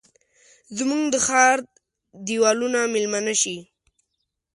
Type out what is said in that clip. زموږ د ښارد دیوالونو میلمنه شي